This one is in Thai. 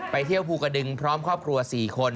เที่ยวภูกระดึงพร้อมครอบครัว๔คน